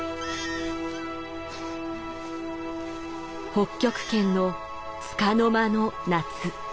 北極圏のつかの間の夏。